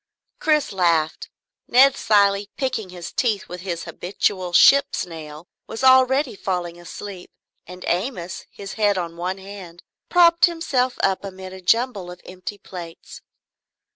Chris laughed. Ned Cilley, picking his teeth with his habitual ship's nail, was already falling asleep, and Amos, his head on one hand, propped himself up amid a jumble of empty plates.